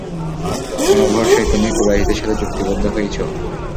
কোন ভরসায় তুমি কুরাইশদের সাথে চুক্তিবদ্ধ হয়েছ?